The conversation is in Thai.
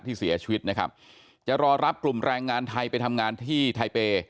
ที่เสียชีวิตนะครับจะรอรับกลุ่มแรงงานไทยไปทำงานที่ไทเปย์